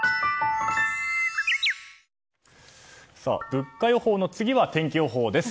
物価予報の次は天気予報です。